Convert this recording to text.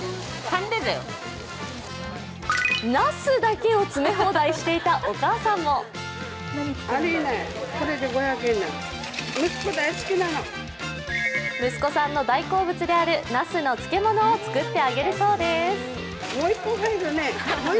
なすだけを詰め放題していたお母さんも息子さんの大好物であるなすの漬物を作ってあげるそうです。